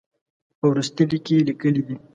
په وروستي لیک کې یې لیکلي دي.